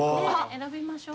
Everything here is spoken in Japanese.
選びましょう。